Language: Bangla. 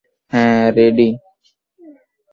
হ্যাঁঁ, - রেডি।